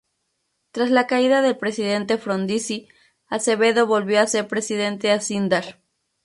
Tras la caída del presidente Frondizi, Acevedo volvió a ser presidente de Acindar.